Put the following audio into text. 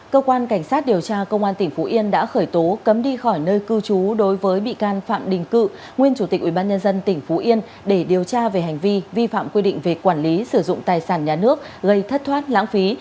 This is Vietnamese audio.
cơ quan cảnh sát điều tra công an tỉnh phú yên đã khởi tố cấm đi khỏi nơi cư trú đối với bị can phạm đình cự nguyên chủ tịch ubnd tỉnh phú yên để điều tra về hành vi vi phạm quy định về quản lý sử dụng tài sản nhà nước gây thất thoát lãng phí